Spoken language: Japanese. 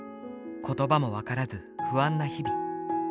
言葉も分からず不安な日々。